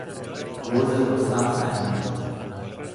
گرز رستم سنگین بود.